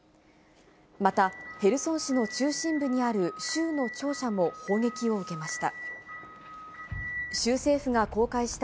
またヘルソン市の中心部にある州の庁舎も砲撃を受けました。